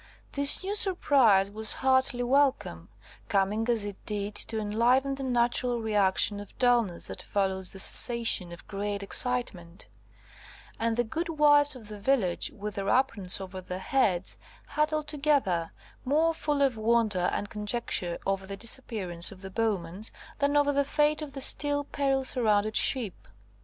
This new surprise was heartily welcome, coming as it did to enliven the natural reaction of dulness that follows the cessation of great excitement; and the good wives of the village, with their aprons over their heads, huddled together, more full of wonder and conjecture over the disappearance of the Bowmans, than over the fate of the still peril surrounded ship.